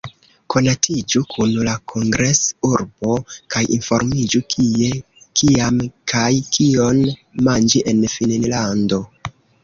Konatiĝu kun la kongres-urbo, kaj informiĝu kie, kiam, kaj kion manĝi en Finnlando.